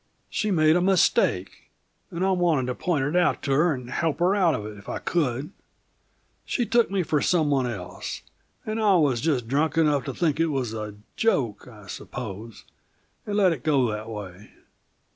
"She made a mistake, and I wanted to point it out to her and help her out of it if I could. She took me for some one else, and I was just drunk enough to think it was a joke, I suppose, and let it go that way.